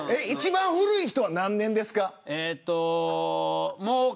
１番古い人とは何年ですか。